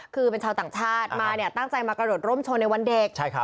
คือเป็นชาวต่างชาติมาเนี่ยตั้งใจมากระโดดร่มชนในวันเด็ก